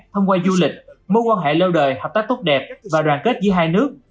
thông qua du lịch mối quan hệ lâu đời hợp tác tốt đẹp và đoàn kết giữa hai nước